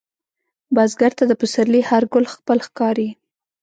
بزګر ته د پسرلي هر ګل خپل ښکاري